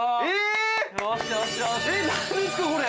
えっ何ですかこれ！